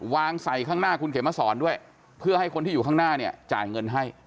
วางใส่ข้างหน้าคุณเขมสอนด้วยเพื่อให้คนที่อยู่ข้างหน้าเนี่ยจ่ายเงินให้